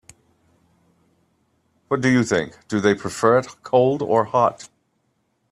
What do you think, do they prefer it cold or hot?